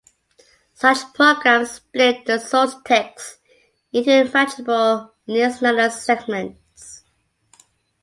Such programs split the source text into manageable units known as "segments".